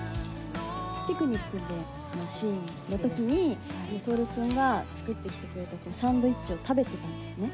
ピクニックのシーンのときに、透君が作ってきてくれたサンドイッチを食べてたんですね。